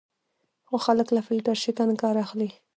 خو خلک له فیلټر شکن کار اخلي.